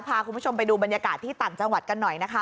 พาคุณผู้ชมไปดูบรรยากาศที่ต่างจังหวัดกันหน่อยนะคะ